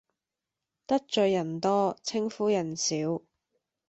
得罪人多稱呼人少